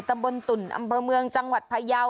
ตำบลตุ่นอำเภอเมืองจังหวัดพยาว